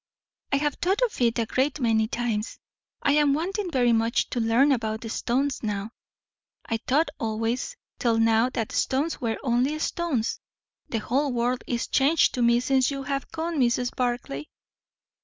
I have thought of it a great many times. I am wanting very much to learn about stones now. I thought always till now that stones were only stones. The whole world is changed to me since you have come, Mrs. Barclay."